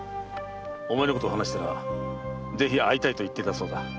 お前のことを話したらぜひ会いたいと言っていたそうだ。